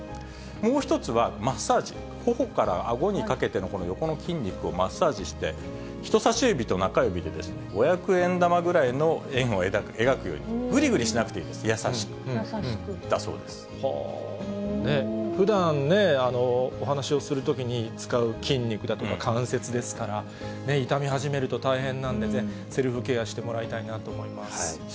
もう１つはマッサージ、ほおからあごにかけてのこの横の筋肉をマッサージして、人さし指と中指で五百円玉ぐらいの円を描くように、ぐりぐりしなくていいふだんね、お話をするときに使う筋肉だとか関節ですから、痛み始めると大変なんでね、セルフケアしてもらいたいなと思います。